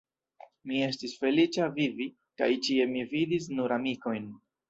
Mi estis feliĉa vivi, kaj ĉie mi vidis nur amikojn.